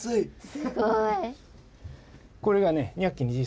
すごい！